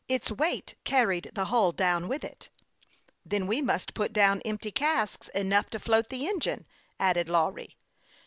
Its weight carried the hull down with it." " Then we must put down empty casks enough to float the engine,'' added Lawry.